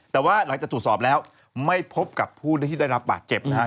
แต่ว่าหลังจากตรวจสอบแล้วไม่พบกับผู้ที่ได้รับบาดเจ็บนะฮะ